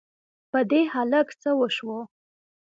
په دې هلک څه وشوو؟!